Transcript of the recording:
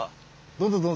どうぞどうぞ。